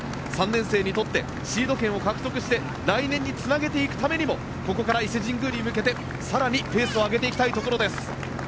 ３年生にとってシード権を獲得して来年につなげていくためにもここから伊勢神宮へ更にペースを上げていきたいところです。